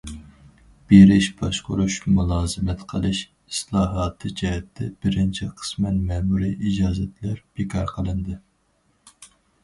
« بېرىش، باشقۇرۇش، مۇلازىمەت قىلىش» ئىسلاھاتى جەھەتتە، بىرىنچى، قىسمەن مەمۇرىي ئىجازەتلەر بىكار قىلىندى.